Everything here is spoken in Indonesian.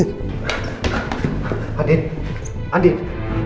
tah dah pais